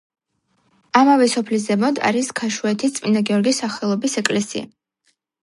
ამავე სოფლის ზემოთ არის ქაშუეთის წმინდა გიორგის სახელობის ეკლესია.